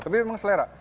tapi memang selera